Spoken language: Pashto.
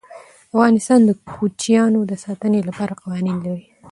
افغانستان د کوچیانو د ساتنې لپاره قوانین لري.